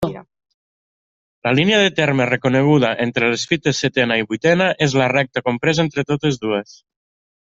La línia de terme reconeguda entre les fites setena i vuitena és la recta compresa entre totes dues.